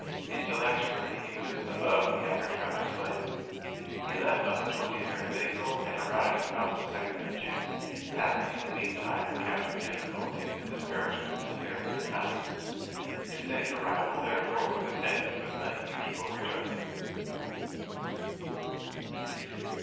Intellectually he was above the average run of slaves. He left on the twenty third of April, and arrived about the second of June, having, in the meantime, encountered difficulties and discouragements of various kinds. His safe arrival, therefore, was attended with unusual rejoicing.